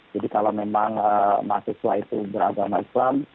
jadi kalau memang mahasiswa itu beragama islam